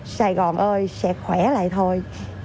sài gòn ơi sẽ khỏe lại thôi